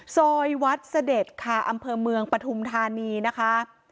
ซอยวัดเสด็จค่ะอำเภอเมืองปฐุมธานีนะคะ